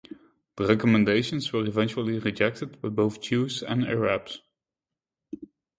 The recommendations were eventually rejected by both Jews and Arabs.